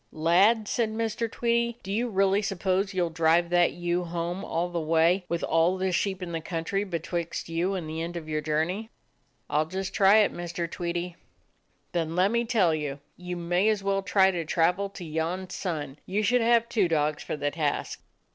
"Lad," said Mr. Tweedie, "do you really suppose you 'll drive that ewe home all the way, with all the sheep in the country betwixt you and the end of your journey?" "I 'll just try it, Mr. Tweedie." "Then let me tell you: you may as well try to travel to yon sun. You should have two dogs for the task."